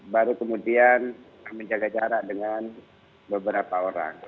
baru kemudian menjaga jarak dengan beberapa orang